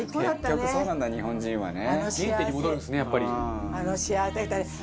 結局そうなんだ日本人はね。